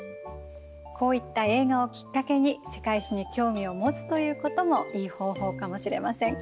こういった映画をきっかけに世界史に興味を持つということもいい方法かもしれません。